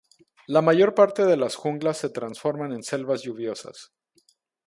La mayor parte de las junglas se transforman en selvas lluviosas.